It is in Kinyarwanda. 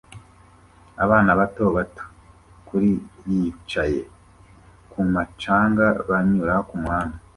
abana bato bato kuri yicaye kumu canga banyura kumuhanda